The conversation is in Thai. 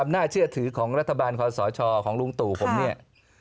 มีพวกคุณของรัฐบาลความสอชอของลุงตู่ผมเนี่ย